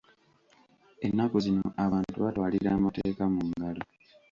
Ennaku zino abantu batwalira amateeka mu ngalo.